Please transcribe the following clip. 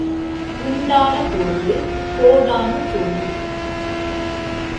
உண்டான போது கோடானுகோடி.